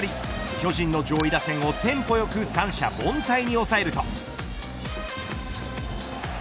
巨人の上位打線をテンポよく三者凡退に抑えると。